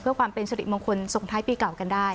เพื่อความเป็นสริมงคลส่งท้ายปีเก่ากันได้